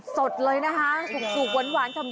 สดเลยนะคะสุกหวานชำ